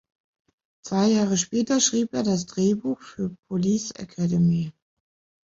Zwei Jahre später schrieb er das Drehbuch für "Police Academy".